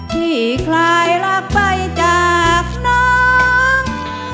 ที่คลายรักไปจากน้อง